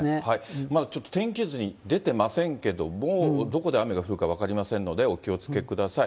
まだちょっと天気図に出てませんけれども、どこで雨が降るか分かりませんので、お気をつけください。